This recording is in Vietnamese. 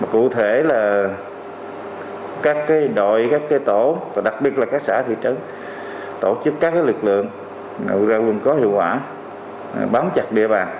cụ thể là các đội các tổ và đặc biệt là các xã thị trấn tổ chức các lực lượng ra gồm có hiệu quả bám chặt địa bàn